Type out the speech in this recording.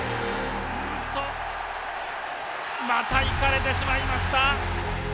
また行かれてしまいました。